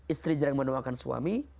istri jarang mendoakan suami